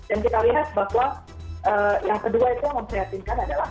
dan kita lihat bahwa yang kedua itu yang memprihatinkan adalah